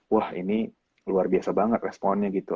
wah ini luar biasa banget responnya gitu